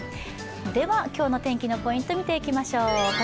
今日の天気のポイントを見ていきましょう。